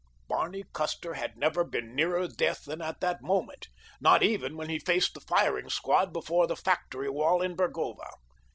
Barney Custer had never been nearer death than at that moment—not even when he faced the firing squad before the factory wall in Burgova.